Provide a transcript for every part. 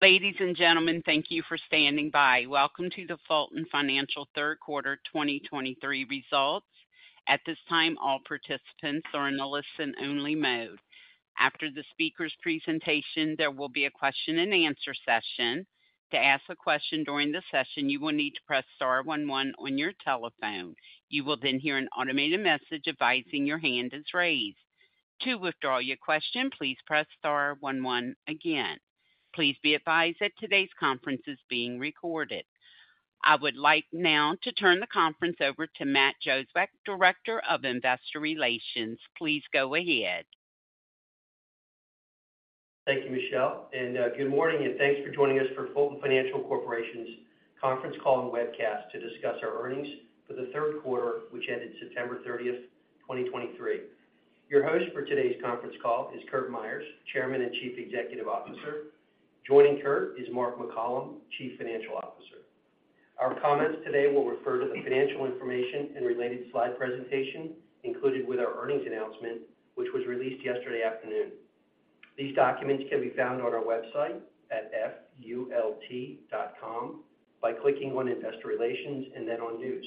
Ladies and gentlemen, thank you for standing by. Welcome to the Fulton Financial third quarter 2023 results. At this time, all participants are in a listen-only mode. After the speaker's presentation, there will be a question-and-answer session. To ask a question during the session, you will need to press star one one on your telephone. You will then hear an automated message advising your hand is raised. To withdraw your question, please press star one one again. Please be advised that today's conference is being recorded. I would like now to turn the conference over to Matt Jozwiak, Director of Investor Relations. Please go ahead. Thank you, Michelle, and, good morning, and thanks for joining us for Fulton Financial Corporation's conference call and webcast to discuss our earnings for the third quarter, which ended September 30th, 2023. Your host for today's conference call is Curt Myers, Chairman and Chief Executive Officer. Joining Curt is Mark McCollom, Chief Financial Officer. Our comments today will refer to the financial information and related slide presentation included with our earnings announcement, which was released yesterday afternoon. These documents can be found on our website at fulton.com by clicking on Investor Relations and then on News.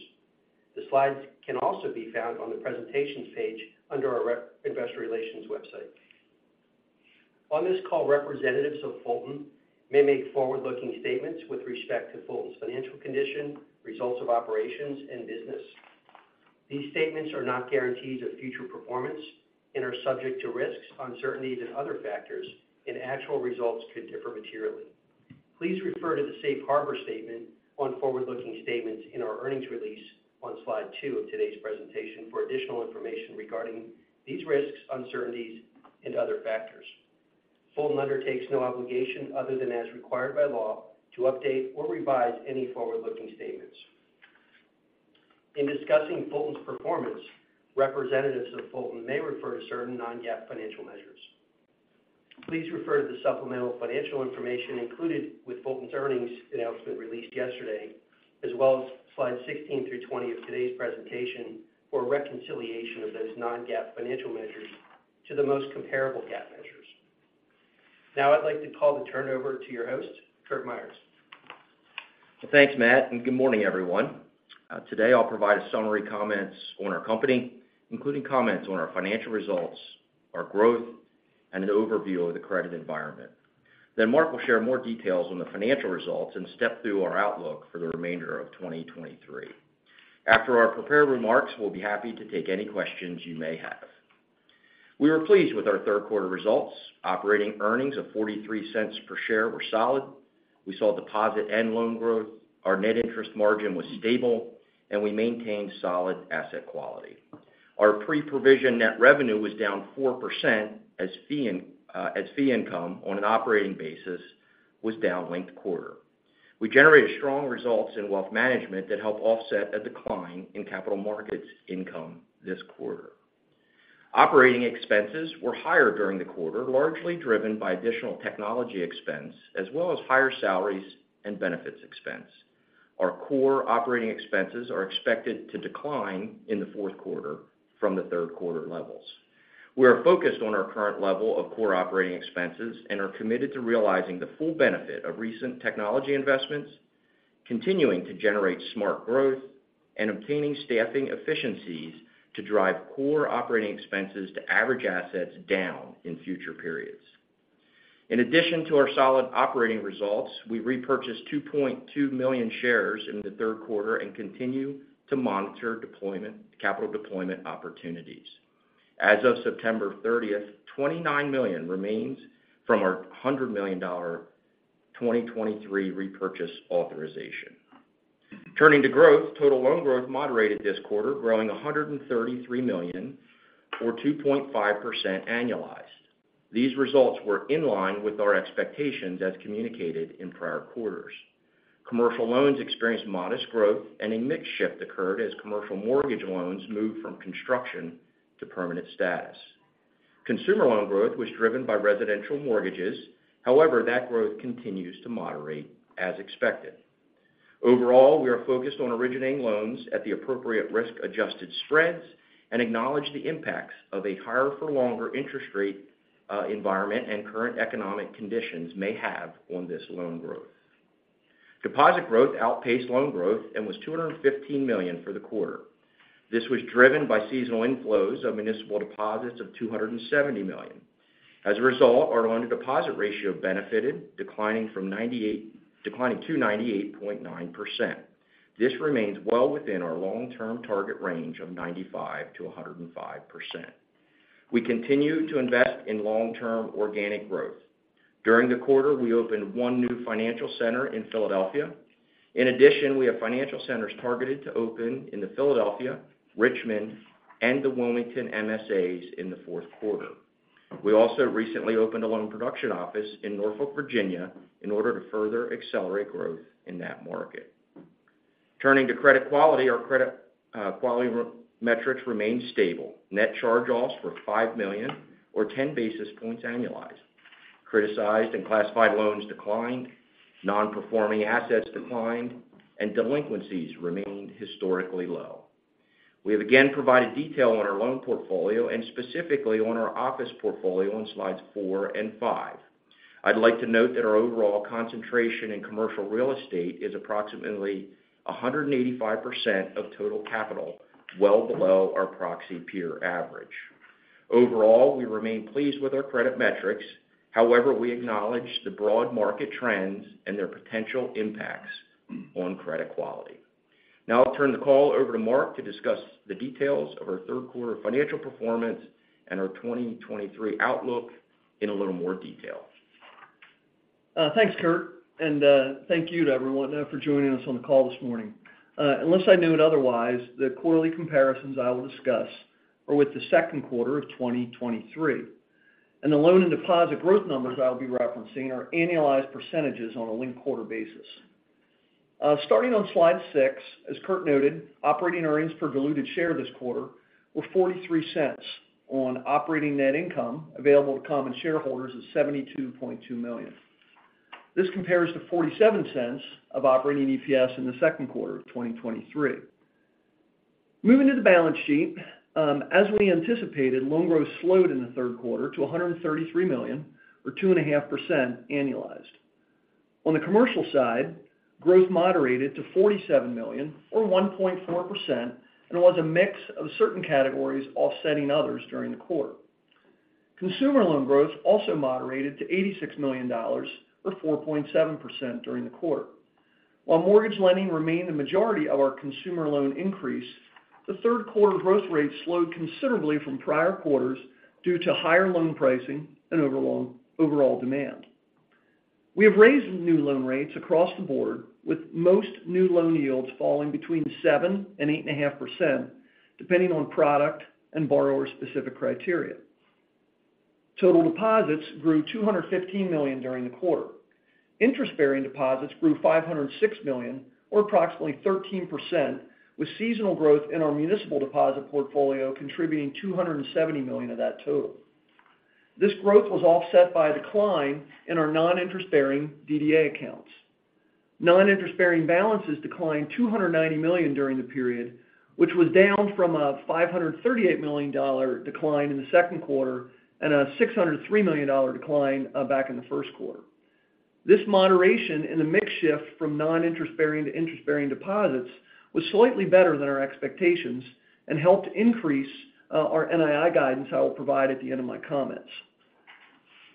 The slides can also be found on the presentations page under our IR investor relations website. On this call, representatives of Fulton may make forward-looking statements with respect to Fulton's financial condition, results of operations, and business. These statements are not guarantees of future performance and are subject to risks, uncertainties, and other factors, and actual results could differ materially. Please refer to the safe harbor statement on forward-looking statements in our earnings release on slide two of today's presentation for additional information regarding these risks, uncertainties, and other factors. Fulton undertakes no obligation, other than as required by law, to update or revise any forward-looking statements. In discussing Fulton's performance, representatives of Fulton may refer to certain non-GAAP financial measures. Please refer to the supplemental financial information included with Fulton's earnings announcement released yesterday, as well as slides 16 through 20 of today's presentation for a reconciliation of those non-GAAP financial measures to the most comparable GAAP measures. Now I'd like to turn the call over to your host, Curt Myers. Well, thanks, Matt, and good morning, everyone. Today I'll provide a summary comments on our company, including comments on our financial results, our growth, and an overview of the credit environment. Then Mark will share more details on the financial results and step through our outlook for the remainder of 2023. After our prepared remarks, we'll be happy to take any questions you may have. We were pleased with our third quarter results. Operating earnings of $0.43 per share were solid. We saw deposit and loan growth, our net interest margin was stable, and we maintained solid asset quality. Our pre-provision net revenue was down 4% as fee income on an operating basis was down linked quarter. We generated strong results in wealth management that helped offset a decline in capital markets income this quarter. Operating expenses were higher during the quarter, largely driven by additional technology expense, as well as higher salaries and benefits expense. Our core operating expenses are expected to decline in the fourth quarter from the third quarter levels. We are focused on our current level of core operating expenses and are committed to realizing the full benefit of recent technology investments, continuing to generate smart growth and obtaining staffing efficiencies to drive core operating expenses to average assets down in future periods. In addition to our solid operating results, we repurchased 2.2 million shares in the third quarter and continue to monitor capital deployment opportunities. As of September 30th, $29 million remains from our $100 million 2023 repurchase authorization. Turning to growth, total loan growth moderated this quarter, growing $133 million or 2.5% annualized. These results were in line with our expectations as communicated in prior quarters. Commercial loans experienced modest growth and a mix shift occurred as commercial mortgage loans moved from construction to permanent status. Consumer loan growth was driven by residential mortgages. However, that growth continues to moderate as expected. Overall, we are focused on originating loans at the appropriate risk-adjusted spreads and acknowledge the impacts of a higher-for-longer interest rate environment and current economic conditions may have on this loan growth. Deposit growth outpaced loan growth and was $215 million for the quarter. This was driven by seasonal inflows of municipal deposits of $270 million. As a result, our loan-to-deposit ratio benefited, declining to 98.9%. This remains well within our long-term target range of 95%-105%. We continue to invest in long-term organic growth. During the quarter, we opened one new financial center in Philadelphia. In addition, we have financial centers targeted to open in the Philadelphia, Richmond, and the Wilmington MSAs in the fourth quarter. We also recently opened a loan production office in Norfolk, Virginia, in order to further accelerate growth in that market. Turning to credit quality, our credit quality metrics remained stable. Net charge-offs were $5 million or 10 basis points annualized. Criticized and classified loans declined, non-performing assets declined, and delinquencies remained historically low. We have again provided detail on our loan portfolio and specifically on our office portfolio on slides four and five. I'd like to note that our overall concentration in commercial real estate is approximately 185% of total capital, well below our proxy peer average. Overall, we remain pleased with our credit metrics. However, we acknowledge the broad market trends and their potential impacts on credit quality. Now I'll turn the call over to Mark to discuss the details of our third quarter financial performance and our 2023 outlook in a little more detail. Thanks, Curt, and thank you to everyone for joining us on the call this morning. Unless I knew it otherwise, the quarterly comparisons I will discuss are with the second quarter of 2023, and the loan and deposit growth numbers I'll be referencing are annualized percentages on a linked quarter basis. Starting on slide six, as Curt noted, operating earnings per diluted share this quarter were $0.43 on operating net income available to common shareholders is $72.2 million. This compares to $0.47 of operating EPS in the second quarter of 2023. Moving to the balance sheet, as we anticipated, loan growth slowed in the third quarter to $133 million, or 2.5% annualized. On the commercial side, growth moderated to $47 million, or 1.4%, and was a mix of certain categories offsetting others during the quarter. Consumer loan growth also moderated to $86 million, or 4.7% during the quarter. While mortgage lending remained the majority of our consumer loan increase, the third quarter growth rate slowed considerably from prior quarters due to higher loan pricing and overall demand. We have raised new loan rates across the board, with most new loan yields falling between 7% and 8.5%, depending on product and borrower-specific criteria. Total deposits grew $215 million during the quarter. Interest-bearing deposits grew $506 million, or approximately 13%, with seasonal growth in our municipal deposit portfolio contributing $270 million of that total. This growth was offset by a decline in our non-interest-bearing DDA accounts. Non-interest-bearing balances declined $290 million during the period, which was down from a $538 million decline in the second quarter and a $603 million decline back in the first quarter. This moderation in the mix shift from non-interest-bearing to interest-bearing deposits was slightly better than our expectations and helped increase our NII guidance I will provide at the end of my comments.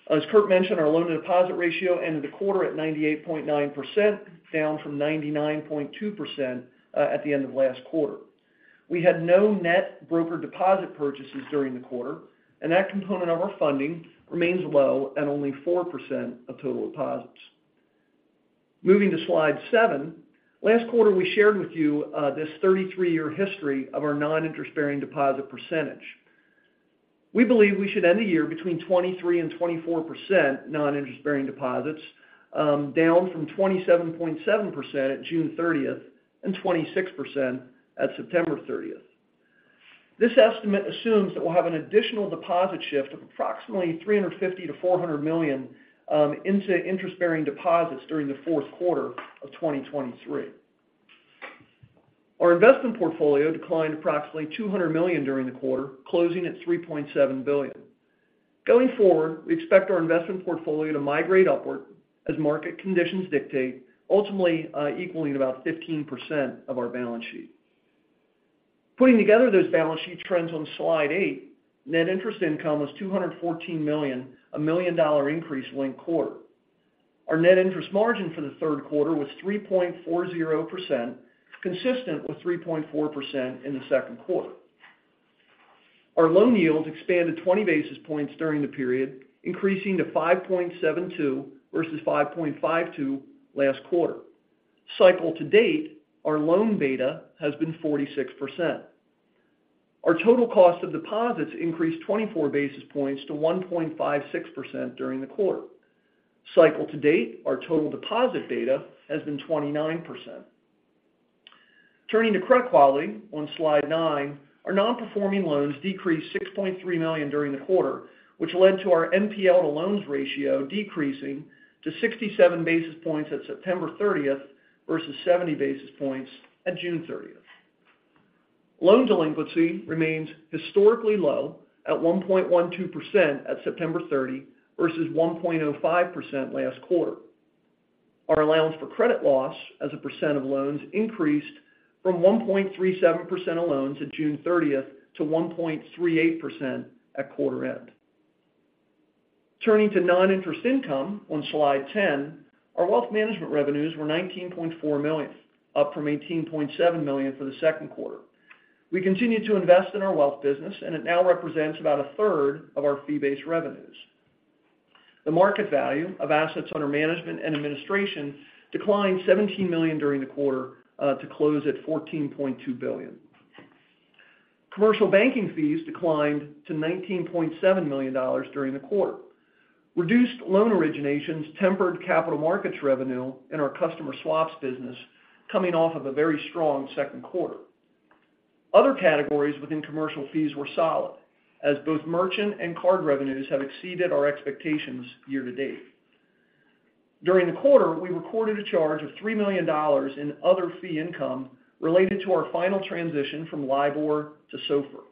As Curt mentioned, our loan-to-deposit ratio ended the quarter at 98.9%, down from 99.2% at the end of last quarter. We had no net broker deposit purchases during the quarter, and that component of our funding remains low at only 4% of total deposits. Moving to slide seven, last quarter, we shared with you this 33-year history of our non-interest-bearing deposit percentage. We believe we should end the year between 23% and 24% non-interest-bearing deposits, down from 27.7% at June 30th and 26% at September 30th. This estimate assumes that we'll have an additional deposit shift of approximately $350 million-$400 million into interest-bearing deposits during the fourth quarter of 2023. Our investment portfolio declined approximately $200 million during the quarter, closing at $3.7 billion. Going forward, we expect our investment portfolio to migrate upward as market conditions dictate, ultimately equaling about 15% of our balance sheet. Putting together those balance sheet trends on slide eight, net interest income was $214 million, a $1 million increase linked quarter. Our net interest margin for the third quarter was 3.40%, consistent with 3.4% in the second quarter. Our loan yields expanded 20 basis points during the period, increasing to 5.72 versus 5.52 last quarter. Cycle to date, our loan beta has been 46%. Our total cost of deposits increased 24 basis points to 1.56% during the quarter. Cycle to date, our total deposit beta has been 29%. Turning to credit quality on slide nine, our non-performing loans decreased $6.3 million during the quarter, which led to our NPL to loans ratio decreasing to 67 basis points at September 30th versus 70 basis points at June 30th. Loan delinquency remains historically low at 1.12% at September 30 versus 1.05% last quarter. Our allowance for credit loss as a % of loans increased from 1.37% of loans at June 30th to 1.38% at quarter end. Turning to non-interest income on slide 10, our wealth management revenues were $19.4 million, up from $18.7 million for the second quarter. We continue to invest in our wealth business, and it now represents about a third of our fee-based revenues. The market value of assets under management and administration declined $17 million during the quarter, to close at $14.2 billion. Commercial banking fees declined to $19.7 million during the quarter. Reduced loan originations tempered capital markets revenue in our customer swaps business, coming off of a very strong second quarter. Other categories within commercial fees were solid, as both merchant and card revenues have exceeded our expectations year to date. During the quarter, we recorded a charge of $3 million in other fee income related to our final transition from LIBOR to SOFR.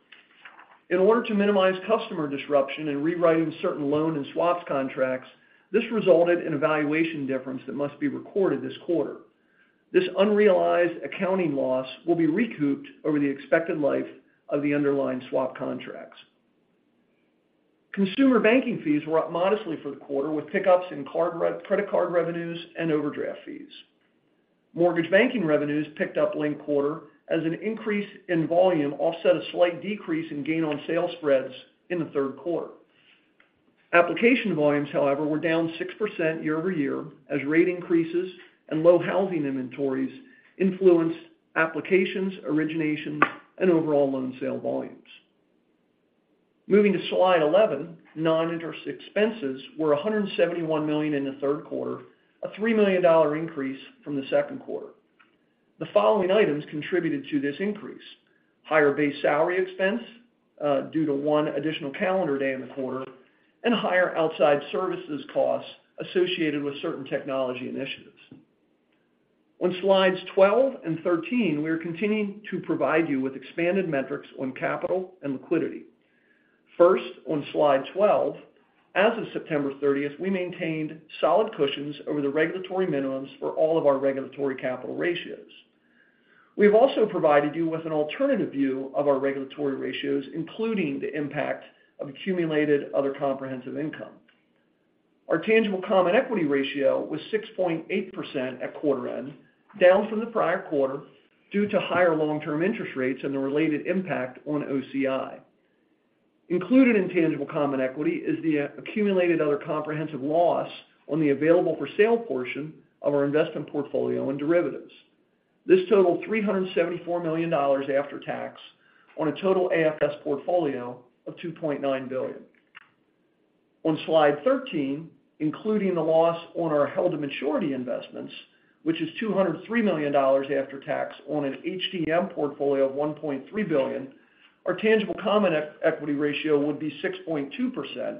In order to minimize customer disruption in rewriting certain loan and swaps contracts, this resulted in a valuation difference that must be recorded this quarter. This unrealized accounting loss will be recouped over the expected life of the underlying swap contracts. Consumer banking fees were up modestly for the quarter, with pickups in credit card revenues and overdraft fees. Mortgage banking revenues picked up linked quarter as an increase in volume offset a slight decrease in gain on sale spreads in the third quarter. Application volumes, however, were down 6% year-over-year as rate increases and low housing inventories influenced applications, originations, and overall loan sale volumes. Moving to slide 11, non-interest expenses were $171 million in the third quarter, a $3 million increase from the second quarter. The following items contributed to this increase: higher base salary expense due to one additional calendar day in the quarter, and higher outside services costs associated with certain technology initiatives. On slides 12 and 13, we are continuing to provide you with expanded metrics on capital and liquidity. First, on slide 12, as of September 30th, we maintained solid cushions over the regulatory minimums for all of our regulatory capital ratios. We have also provided you with an alternative view of our regulatory ratios, including the impact of accumulated other comprehensive income. Our tangible common equity ratio was 6.8% at quarter end, down from the prior quarter due to higher long-term interest rates and the related impact on OCI. Included in tangible common equity is the accumulated other comprehensive loss on the available for sale portion of our investment portfolio and derivatives. This totaled $374 million after tax on a total AFS portfolio of $2.9 billion. On slide 13, including the loss on our held to maturity investments, which is $203 million after tax on an HTM portfolio of $1.3 billion, our tangible common equity ratio would be 6.2%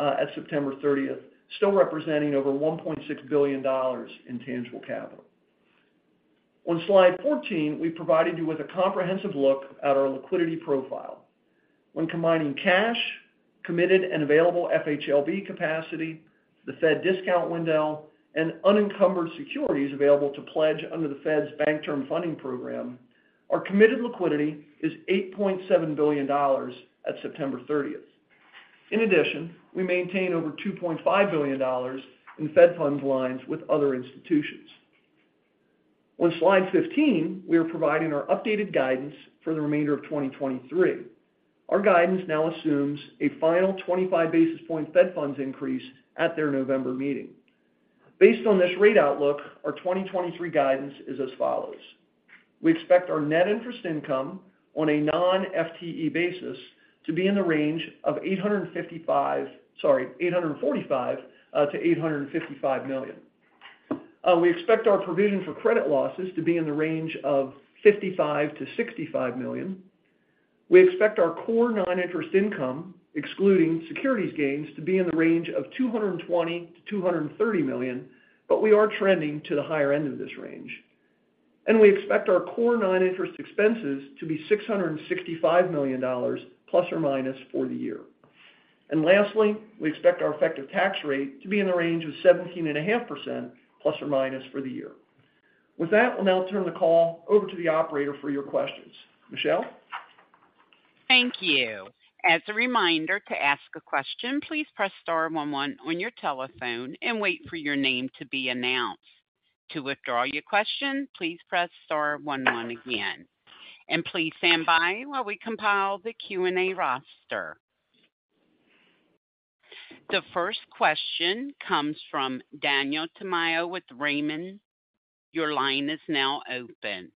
at September thirtieth, still representing over $1.6 billion in tangible capital. On slide 14, we provided you with a comprehensive look at our liquidity profile. When combining cash, committed and available FHLB capacity, the Fed discount window, and unencumbered securities available to pledge under the Fed's Bank Term Funding Program, our committed liquidity is $8.7 billion at September 30. In addition, we maintain over $2.5 billion in Fed funds lines with other institutions. On slide 15, we are providing our updated guidance for the remainder of 2023. Our guidance now assumes a final 25 basis point Fed funds increase at their November meeting. Based on this rate outlook, our 2023 guidance is as follows: We expect our net interest income on a non-FTE basis to be in the range of $855 million, sorry, $845 million-$855 million. We expect our provision for credit losses to be in the range of $55 million-$65 million. We expect our core non-interest income, excluding securities gains, to be in the range of $220 million-$230 million, but we are trending to the higher end of this range. We expect our core non-interest expenses to be $665 million ± for the year. Lastly, we expect our effective tax rate to be in the range of 17.5% ± for the year. With that, I'll now turn the call over to the operator for your questions. Michelle? Thank you. As a reminder to ask a question, please press star one one on your telephone and wait for your name to be announced. To withdraw your question, please press star one one again, and please stand by while we compile the Q&A roster. The first question comes from Daniel Tamayo with Raymond. Your line is now open.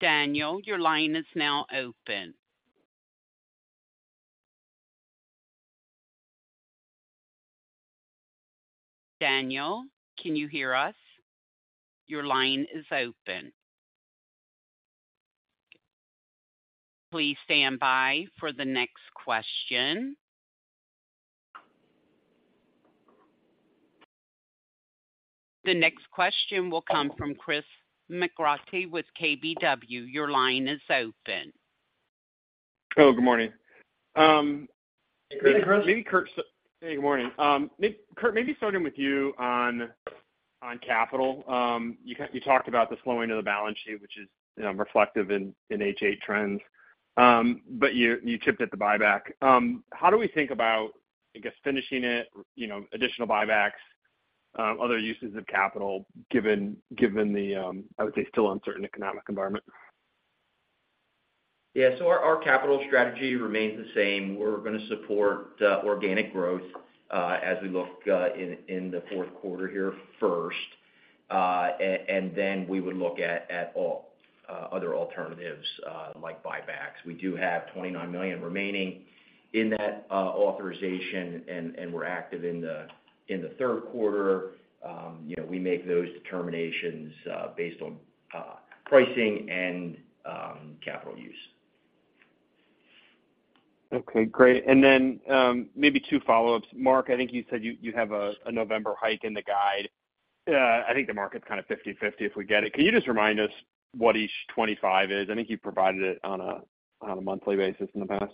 Daniel, your line is now open. Daniel, can you hear us? Your line is open. Please stand by for the next question. The next question will come from Chris McGratty with KBW. Your line is open. Oh, good morning. Good morning, Chris. Maybe Curt. Hey, good morning. Curt, maybe starting with you on capital. You talked about the slowing of the balance sheet, which is, you know, reflective in H.8 trends, but you tipped at the buyback. How do we think about, I guess, finishing it, you know, additional buybacks, other uses of capital, given the, I would say, still uncertain economic environment? Yeah. So our capital strategy remains the same. We're going to support organic growth as we look in the fourth quarter here first, and then we would look at other alternatives like buybacks. We do have $29 million remaining in that authorization, and we're active in the third quarter. You know, we make those determinations based on pricing and capital use. Okay, great. And then, maybe two follow-ups. Mark, I think you said you, you have a, a November hike in the guide. I think the market's kind of 50/50 if we get it. Can you just remind us what each 25 is? I think you provided it on a, on a monthly basis in the past.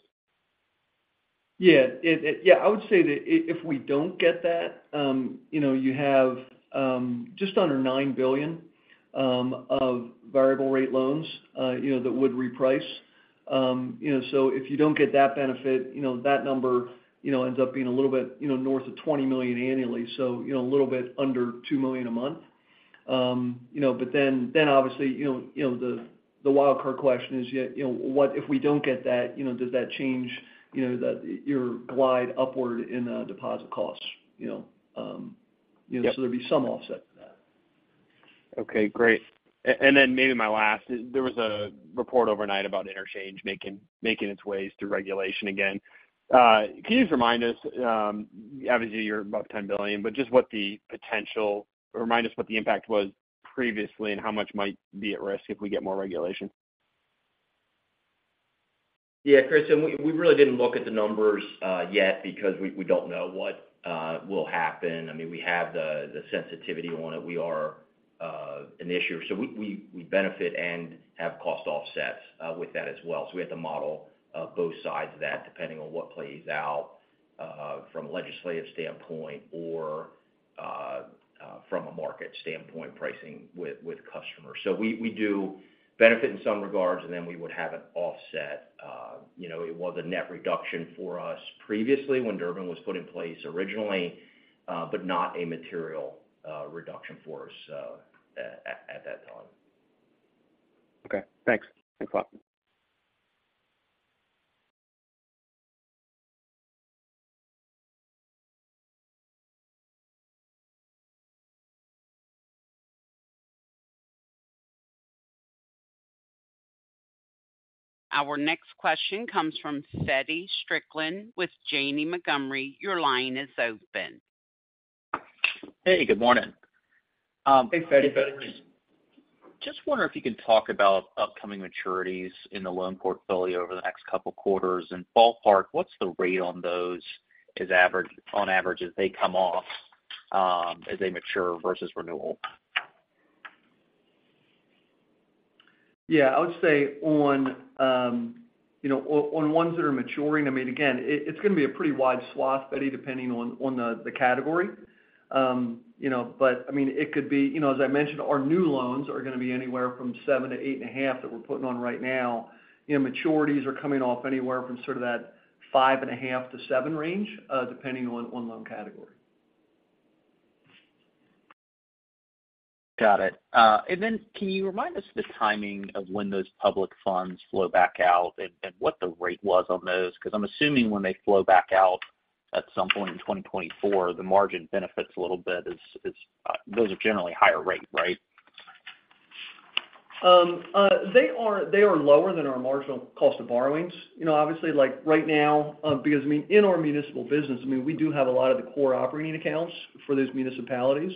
Yeah, yeah, I would say that if we don't get that, you know, you have just under $9 billion of variable rate loans, you know, that would reprice. You know, so if you don't get that benefit, you know, that number, you know, ends up being a little bit, you know, north of $20 million annually, so, you know, a little bit under $2 million a month. You know, but then obviously, you know, the wild card question is, yeah, you know, what if we don't get that, you know, does that change, you know, your glide upward in deposit costs, you know? Yep. There'll be some offset to that. Okay, great. And then maybe my last. There was a report overnight about interchange making its way through regulation again. Can you just remind us, obviously, you're above 10 billion, but just what the potential—or remind us what the impact was previously, and how much might be at risk if we get more regulation? Yeah, Chris, and we really didn't look at the numbers yet because we don't know what will happen. I mean, we have the sensitivity on it. We are an issuer, so we benefit and have cost offsets with that as well. So we have to model both sides of that, depending on what plays out from a legislative standpoint or from a market standpoint, pricing with customers. So we do benefit in some regards, and then we would have an offset. You know, it was a net reduction for us previously when Durbin was put in place originally, but not a material reduction for us at that time. Okay, thanks. Thanks a lot. Our next question comes from Feddie Strickland with Janney Montgomery. Your line is open. Hey, good morning. Hey, Feddie. Hey. Just wonder if you could talk about upcoming maturities in the loan portfolio over the next couple of quarters, and ballpark, what's the rate on those as average, on average, as they come off, as they mature versus renewal? Yeah, I would say on, you know, on, on ones that are maturing, I mean, again, it, it's gonna be a pretty wide swath, Feddie, depending on, on the, the category. You know, but I mean, it could be, you know, as I mentioned, our new loans are gonna be anywhere from 7%-8.5% that we're putting on right now. You know, maturities are coming off anywhere from sort of that 5.5%-7% range, depending on, on loan category. Got it. And then can you remind us the timing of when those public funds flow back out and what the rate was on those? Because I'm assuming when they flow back out at some point in 2024, the margin benefits a little bit as those are generally higher rate, right? They are lower than our marginal cost of borrowings. You know, obviously, like, right now, because, I mean, in our municipal business, I mean, we do have a lot of the core operating accounts for those municipalities.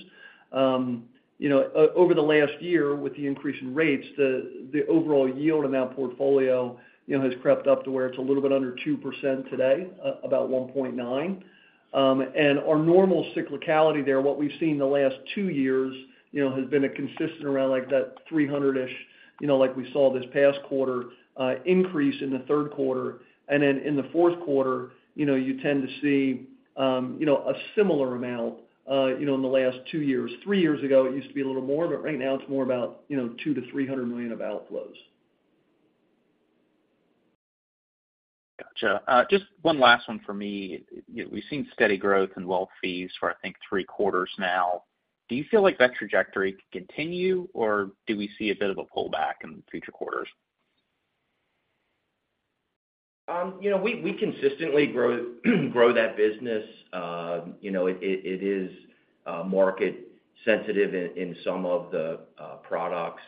You know, over the last year, with the increase in rates, the overall yield on that portfolio, you know, has crept up to where it's a little bit under 2% today, about 1.9%. And our normal cyclicality there, what we've seen in the last two years, you know, has been a consistent around, like that 300-ish, you know, like we saw this past quarter, increase in the third quarter. And then in the fourth quarter, you know, you tend to see, you know, a similar amount, you know, in the last two years. Three years ago, it used to be a little more, but right now it's more about, you know, $200 million-$300 million of outflows. Gotcha. Just one last one for me. We've seen steady growth in wealth fees for, I think, three quarters now. Do you feel like that trajectory could continue, or do we see a bit of a pullback in future quarters? You know, we consistently grow that business. You know, it is market sensitive in some of the products,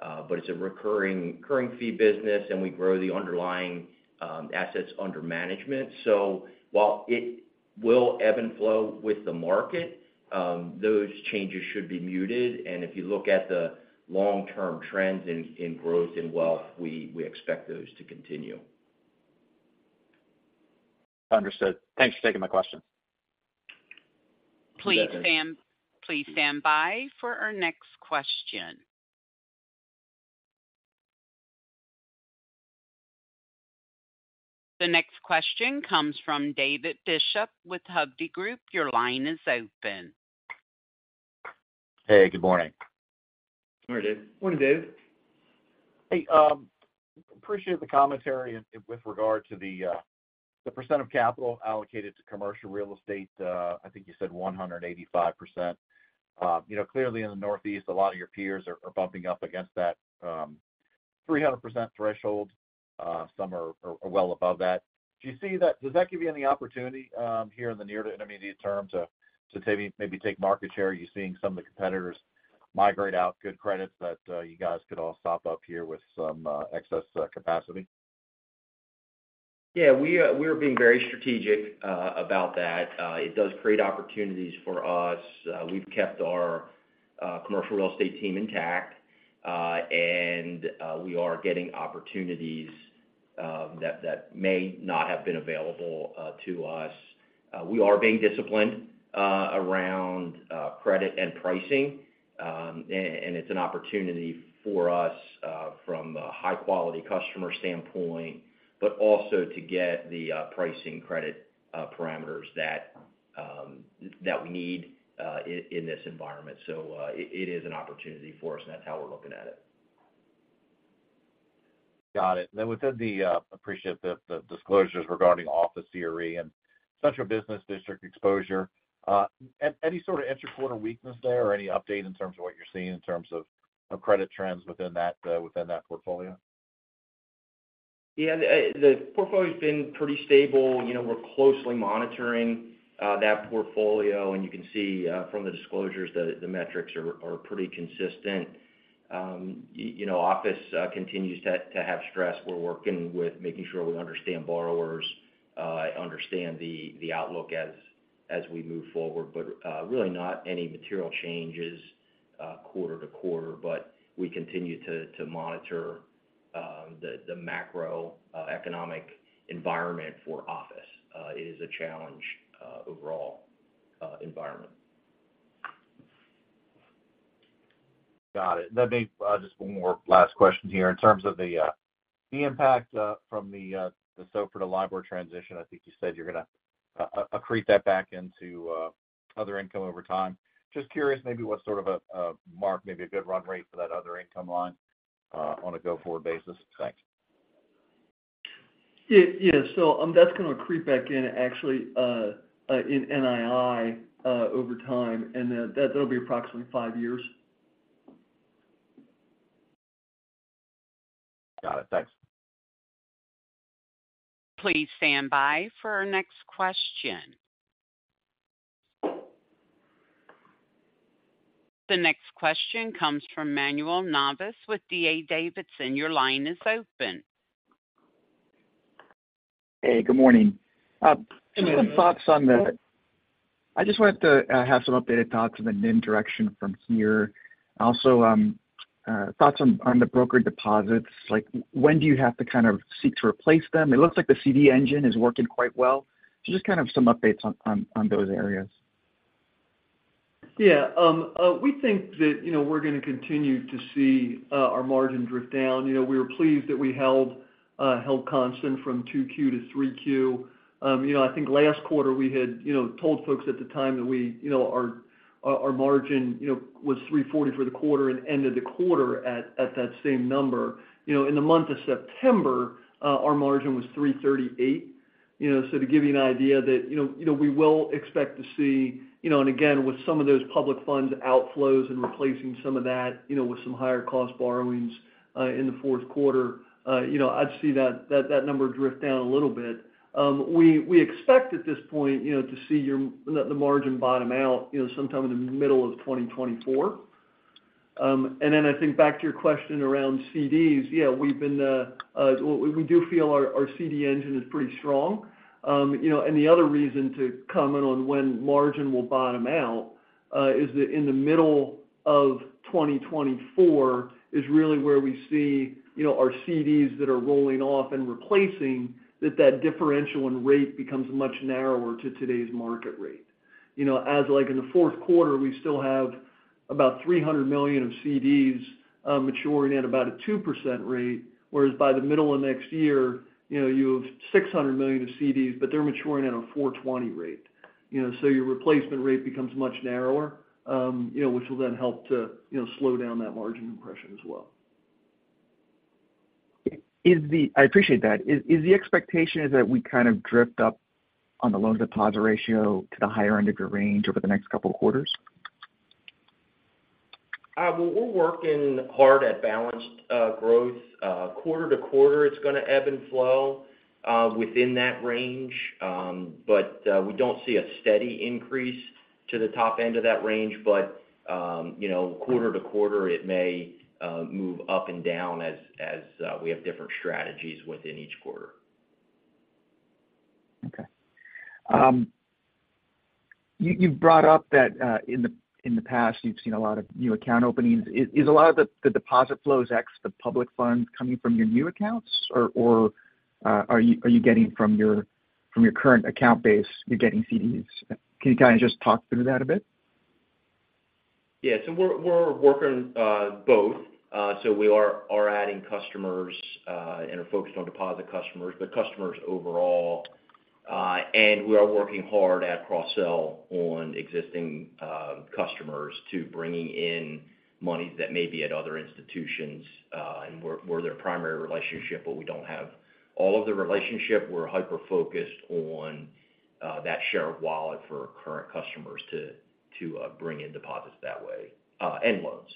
but it's a recurring fee business, and we grow the underlying assets under management. So while it will ebb and flow with the market, those changes should be muted. And if you look at the long-term trends in growth and wealth, we expect those to continue. Understood. Thanks for taking my question. Please stand by for our next question. The next question comes from David Bishop with Hovde Group. Your line is open. Hey, good morning. Good morning, David. Morning, David. Hey, appreciate the commentary with regard to the percent of capital allocated to commercial real estate. I think you said 185%. You know, clearly in the Northeast, a lot of your peers are bumping up against that 300% threshold. Some are well above that. Do you see that, does that give you any opportunity here in the near to intermediate term to maybe take market share? Are you seeing some of the competitors migrate out good credits that you guys could all sop up here with some excess capacity? Yeah, we're being very strategic about that. It does create opportunities for us. We've kept our commercial real estate team intact, and we are getting opportunities that may not have been available to us. We are being disciplined around credit and pricing. And it's an opportunity for us from a high-quality customer standpoint, but also to get the pricing credit parameters that we need in this environment. So, it is an opportunity for us, and that's how we're looking at it. Got it. Then within the, appreciate the, the disclosures regarding office CRE and central business district exposure. Any sort of inter-quarter weakness there or any update in terms of what you're seeing in terms of, of credit trends within that, within that portfolio? Yeah, the portfolio's been pretty stable. You know, we're closely monitoring that portfolio, and you can see from the disclosures that the metrics are pretty consistent. You know, office continues to have stress. We're working with making sure we understand borrowers understand the outlook as we move forward. But really not any material changes quarter to quarter. But we continue to monitor the macroeconomic environment for office. It is a challenge overall environment. Got it. Let me just one more last question here. In terms of the impact from the SOFR to LIBOR transition, I think you said you're gonna accrete that back into other income over time. Just curious, maybe what sort of a mark, maybe a good run rate for that other income line on a go-forward basis? Thanks. Yeah, yeah. So, that's gonna creep back in, actually, in NII, over time, and then that'll be approximately five years. Got it. Thanks. Please stand by for our next question. The next question comes from Manuel Navas with D.A. Davidson. Your line is open. Hey, good morning. Any thoughts on the NIM direction from here. I just wanted to have some updated thoughts on the NIM direction from here. Also, thoughts on the brokered deposits, like, when do you have to kind of seek to replace them? It looks like the CD engine is working quite well. So just kind of some updates on those areas. Yeah, we think that, you know, we're gonna continue to see our margin drift down. You know, we were pleased that we held constant from Q2 to Q3. You know, I think last quarter, we had, you know, told folks at the time that we, you know, our margin was 3.40 for the quarter and ended the quarter at that same number. You know, in the month of September, our margin was 3.38. You know, so to give you an idea that, you know, you know, we will expect to see, you know, and again, with some of those public funds outflows and replacing some of that, you know, with some higher cost borrowings in the fourth quarter, you know, I'd see that number drift down a little bit. We expect at this point, you know, to see the margin bottom out, you know, sometime in the middle of 2024. And then I think back to your question around CDs. Yeah, we've been, we do feel our CD engine is pretty strong. You know, and the other reason to comment on when margin will bottom out is that in the middle of 2024 is really where we see, you know, our CDs that are rolling off and replacing, that differential and rate becomes much narrower to today's market rate. You know, as like in the fourth quarter, we still have about $300 million of CDs, maturing at about a 2% rate, whereas by the middle of next year, you know, you have $600 million of CDs, but they're maturing at a 4.20% rate. You know, so your replacement rate becomes much narrower, you know, which will then help to, you know, slow down that margin compression as well. I appreciate that. Is the expectation that we kind of drift up on the loan-deposit ratio to the higher end of your range over the next couple of quarters? Well, we're working hard at balanced growth. Quarter-to-quarter, it's gonna ebb and flow within that range. But we don't see a steady increase to the top end of that range. But you know, quarter to quarter, it may move up and down as we have different strategies within each quarter. Okay. You, you brought up that in the, in the past, you've seen a lot of new account openings. Is, is a lot of the, the deposit flows ex the public funds coming from your new accounts? Or, or, are you, are you getting from your, from your current account base, you're getting CDs? Can you kind of just talk through that a bit? Yeah. So we're working both. So we are adding customers and are focused on deposit customers, but customers overall. And we are working hard at cross-sell on existing customers to bringing in monies that may be at other institutions, and we're their primary relationship, but we don't have all of the relationship. We're hyper-focused on that share of wallet for our current customers to bring in deposits that way, and loans.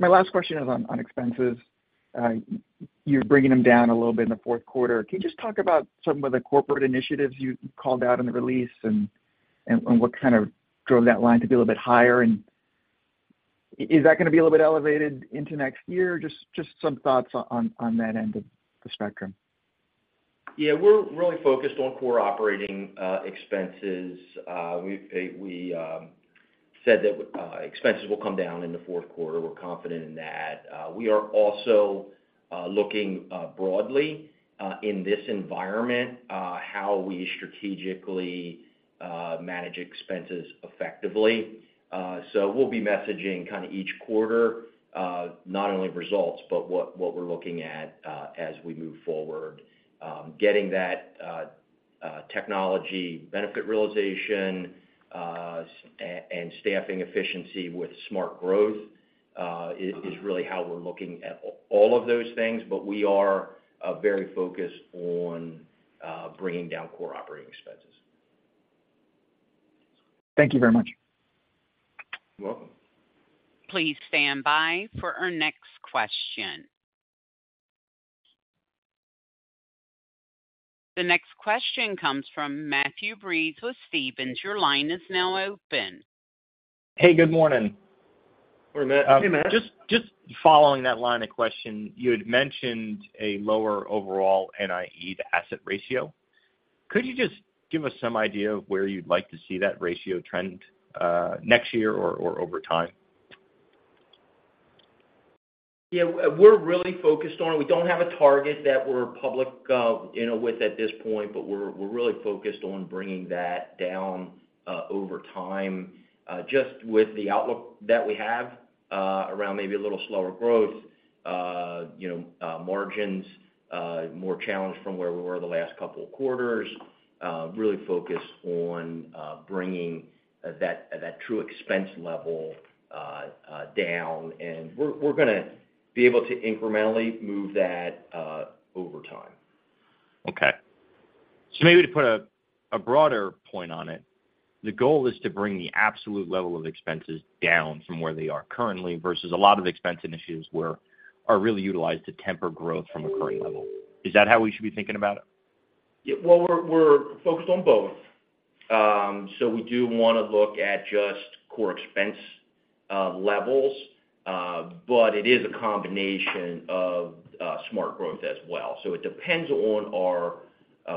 My last question is on expenses. You're bringing them down a little bit in the fourth quarter. Can you just talk about some of the corporate initiatives you called out in the release and what kind of drove that line to be a little bit higher? And is that gonna be a little bit elevated into next year? Just some thoughts on that end of the spectrum. Yeah, we're really focused on core operating expenses. We said that expenses will come down in the fourth quarter. We're confident in that. We are also looking broadly in this environment how we strategically manage expenses effectively. So we'll be messaging kind of each quarter not only results, but what we're looking at as we move forward. Getting that technology benefit realization and staffing efficiency with smart growth is really how we're looking at all of those things. But we are very focused on bringing down core operating expenses. Thank you very much. You're welcome. Please stand by for our next question. The next question comes from Matthew Breese with Stephens. Your line is now open. Hey, good morning. Hey, Matt. Hey, Matt. Just, just following that line of question, you had mentioned a lower overall NIE to asset ratio. Could you just give us some idea of where you'd like to see that ratio trend, next year or, or over time? Yeah, we're really focused on. We don't have a target that we're public, you know, with at this point, but we're really focused on bringing that down over time. Just with the outlook that we have around maybe a little slower growth, you know, margins more challenged from where we were the last couple of quarters. Really focused on bringing that true expense level down, and we're going to be able to incrementally move that over time. Okay. So maybe to put a broader point on it, the goal is to bring the absolute level of expenses down from where they are currently versus a lot of expense initiatives where are really utilized to temper growth from a current level. Is that how we should be thinking about it? Yeah, well, we're focused on both. So we do want to look at just core expense levels, but it is a combination of smart growth as well. So it depends on our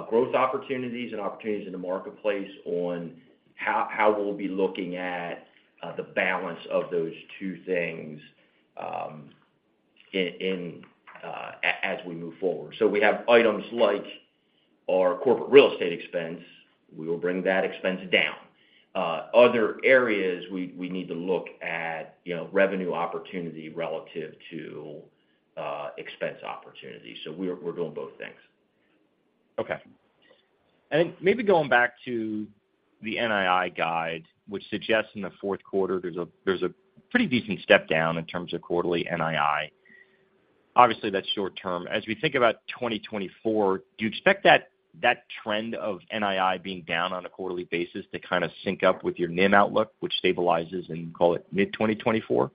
growth opportunities and opportunities in the marketplace on how we'll be looking at the balance of those two things, in as we move forward. So we have items like our corporate real estate expense. We will bring that expense down. Other areas, we need to look at, you know, revenue opportunity relative to expense opportunities. So we're doing both things. Okay. And then maybe going back to the NII guide, which suggests in the fourth quarter, there's a pretty decent step down in terms of quarterly NII. Obviously, that's short term. As we think about 2024, do you expect that trend of NII being down on a quarterly basis to kind of sync up with your NIM outlook, which stabilizes in, call it, mid-2024?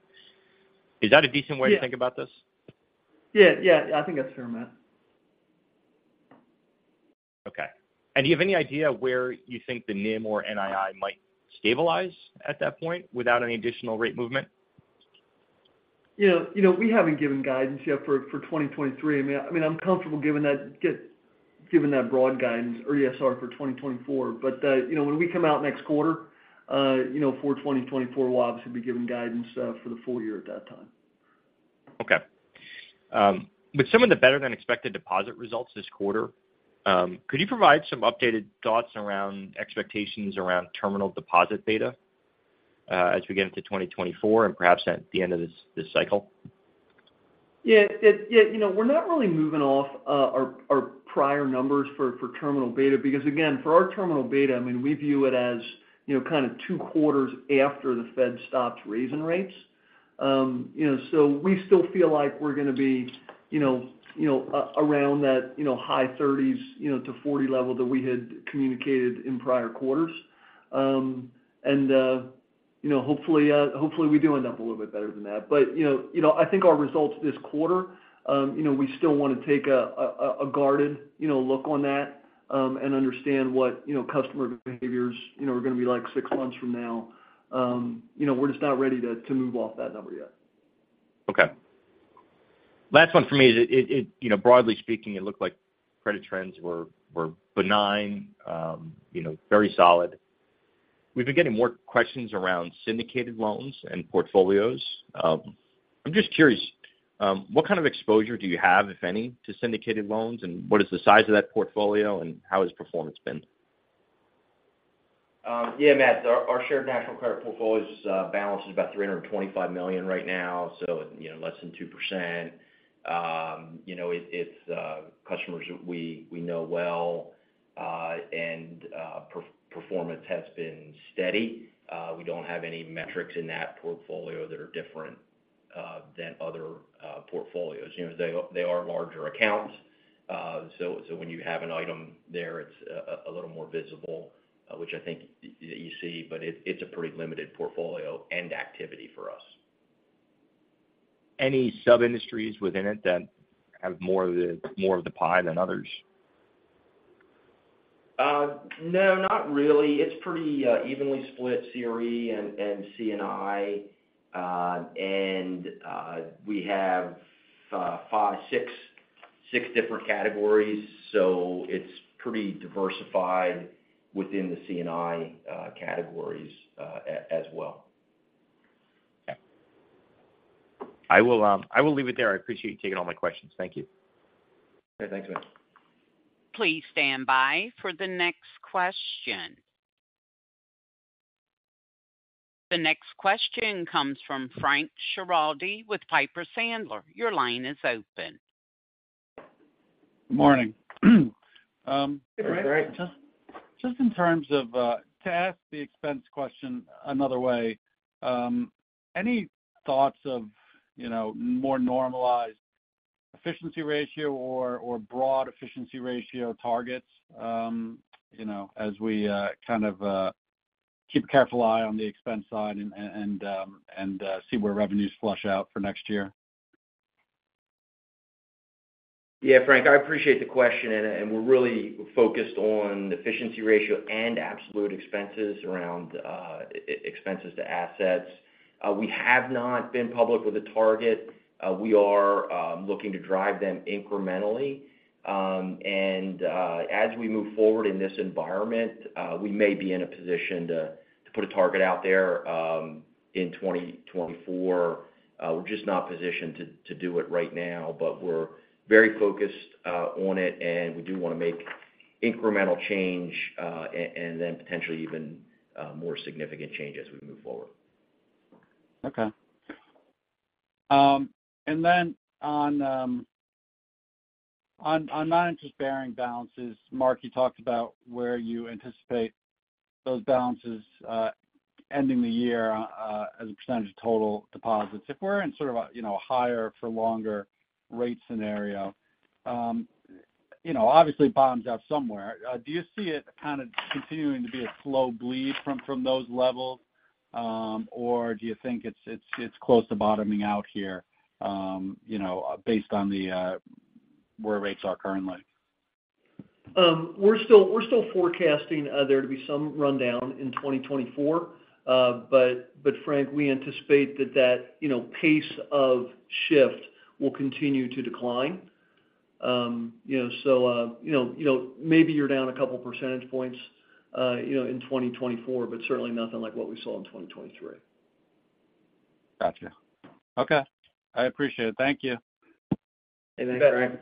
Is that a decent way to think about this? Yeah. Yeah, yeah, I think that's fair, Matt. Okay. Do you have any idea where you think the NIM or NII might stabilize at that point without any additional rate movement? You know, we haven't given guidance yet for 2023. I mean, I'm comfortable giving that broad guidance or EPS for 2024. But, you know, when we come out next quarter, you know, for 2024, we'll obviously be giving guidance for the full year at that time. Okay. With some of the better-than-expected deposit results this quarter, could you provide some updated thoughts around expectations around terminal deposit beta, as we get into 2024 and perhaps at the end of this, this cycle? Yeah, yeah, you know, we're not really moving off our prior numbers for terminal beta, because, again, for our terminal beta, I mean, we view it as, you know, kind of two quarters after the Fed stops raising rates. You know, so we still feel like we're going to be, you know, around that, you know, high thirties, you know, to forty level that we had communicated in prior quarters. And, you know, hopefully, we do end up a little bit better than that. But, you know, I think our results this quarter, you know, we still want to take a guarded, you know, look on that, and understand what, you know, customer behaviors, you know, are going to be like six months from now. You know, we're just not ready to move off that number yet. Okay. Last one for me is it, you know, broadly speaking, it looked like credit trends were benign, you know, very solid. We've been getting more questions around syndicated loans and portfolios. I'm just curious, what kind of exposure do you have, if any, to syndicated loans, and what is the size of that portfolio, and how has performance been? Yeah, Matt, our shared national credit portfolios balance is about $325 million right now, so, you know, less than 2%. You know, it's customers we know well, and performance has been steady. We don't have any metrics in that portfolio that are different than other portfolios. You know, they are larger accounts, so when you have an item there, it's a little more visible, which I think you see, but it's a pretty limited portfolio and activity for us. Any sub-industries within it that have more of the, more of the pie than others? No, not really. It's pretty evenly split, CRE and C&I. And we have five, six different categories, so it's pretty diversified within the C&I categories as well. I will, I will leave it there. I appreciate you taking all my questions. Thank you. Okay, thanks, man. Please stand by for the next question. The next question comes from Frank Schiraldi with Piper Sandler. Your line is open. Morning. Um- Hey, Frank. Just in terms of, to ask the expense question another way, any thoughts of, you know, more normalized efficiency ratio or, or broad efficiency ratio targets, you know, as we, kind of, keep a careful eye on the expense side and see where revenues flush out for next year? Yeah, Frank, I appreciate the question, and we're really focused on the efficiency ratio and absolute expenses around expenses to assets. We have not been public with a target. We are looking to drive them incrementally. And as we move forward in this environment, we may be in a position to put a target out there in 2024. We're just not positioned to do it right now, but we're very focused on it, and we do wanna make incremental change, and then potentially even more significant change as we move forward. Okay. And then on non-interest-bearing balances, Mark, you talked about where you anticipate those balances ending the year as a percentage of total deposits. If we're in sort of a, you know, higher for longer rate scenario, you know, obviously, it bottoms out somewhere. Do you see it kind of continuing to be a slow bleed from those levels? Or do you think it's close to bottoming out here, you know, based on the where rates are currently? We're still, we're still forecasting there to be some rundown in 2024. But, but Frank, we anticipate that that, you know, pace of shift will continue to decline. You know, so, you know, you know, maybe you're down a couple percentage points, you know, in 2024, but certainly nothing like what we saw in 2023. Gotcha. Okay, I appreciate it. Thank you. Hey, thanks, Frank.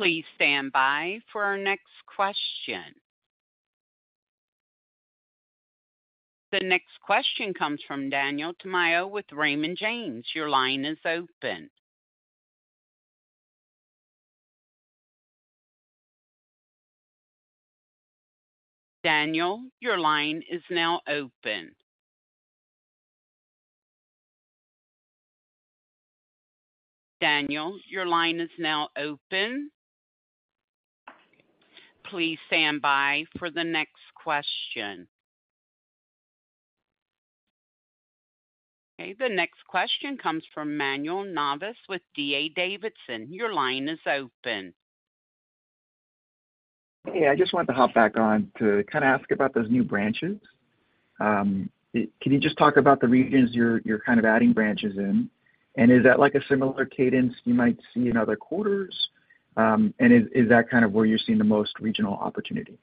Please stand by for our next question. The next question comes from Daniel Tamayo with Raymond James. Your line is open. Daniel, your line is now open. Daniel, your line is now open. Please stand by for the next question. Okay, the next question comes from Manuel Navas with D.A. Davidson. Your line is open. Hey, I just wanted to hop back on to kind of ask about those new branches. Can you just talk about the regions you're kind of adding branches in? And is that like a similar cadence you might see in other quarters? And is that kind of where you're seeing the most regional opportunity?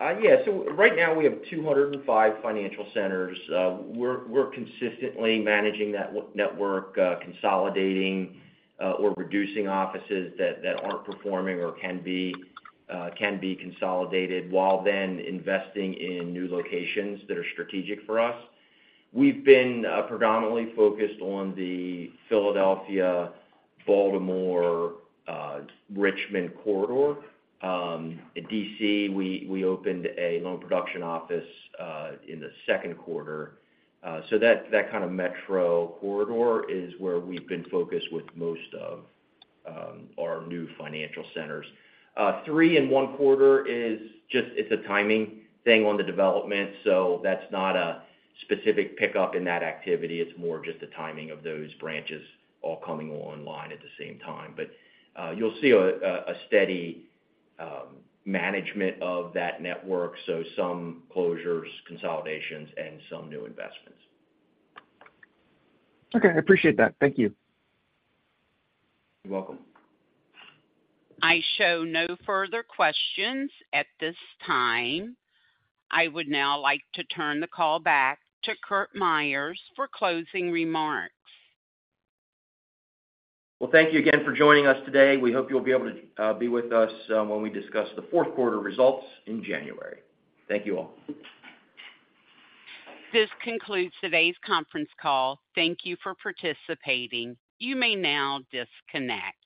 Yeah. So right now, we have 205 financial centers. We're consistently managing that network, consolidating or reducing offices that aren't performing or can be consolidated, while then investing in new locations that are strategic for us. We've been predominantly focused on the Philadelphia, Baltimore, Richmond corridor. In DC, we opened a loan production office in the second quarter. So that kind of metro corridor is where we've been focused with most of our new financial centers. 3 in-in-1 quarter is just, it's a timing thing on the development, so that's not a specific pickup in that activity. It's more just the timing of those branches all coming online at the same time. But, you'll see a steady management of that network, so some closures, consolidations, and some new investments. Okay, I appreciate that. Thank you. You're welcome. I show no further questions at this time. I would now like to turn the call back to Curt Myers for closing remarks. Well, thank you again for joining us today. We hope you'll be able to be with us when we discuss the fourth quarter results in January. Thank you all. This concludes today's conference call. Thank you for participating. You may now disconnect.